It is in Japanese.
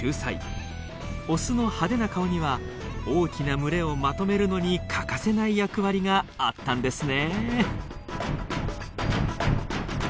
オスの派手な顔には大きな群れをまとめるのに欠かせない役割があったんですね。